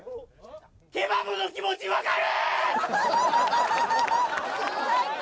ケバブの気持ち分かる最高！